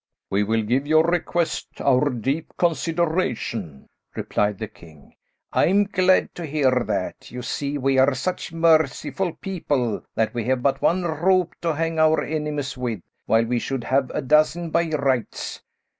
"We will give your request our deep consideration," replied the king. "I'm glad to hear that. You see, we are such merciful people that we have but one rope to hang our enemies with, while we should have a dozen by rights.